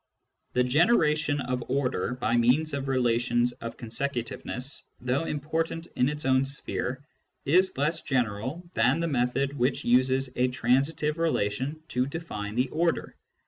The generation of order by means of relations of consecutive ness, though important in its own sphere, is less general than the method which uses a transitive relation to define the order.